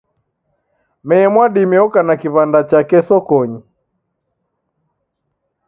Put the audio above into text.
Mee Mwadime oka na kiw'anda chake sokonyi